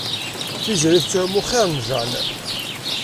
Tiziri tettɛumu xir n Jane.